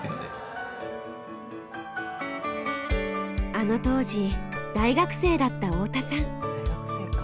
あの当時大学生だった太田さん。